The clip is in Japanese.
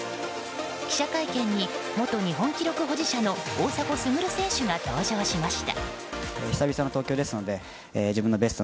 記者会見に元日本記録保持者の大迫傑選手が登場しました。